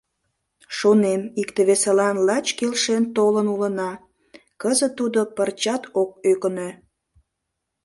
Шонем: икте-весылан лач келшен толын улына, кызыт тудо пырчат ок ӧкынӧ.